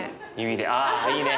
あいいね。